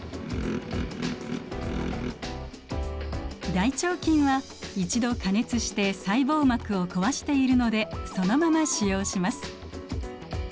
大腸菌は一度加熱して細胞膜を壊しているのでそのまま使用します。